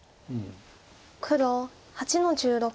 黒８の十六。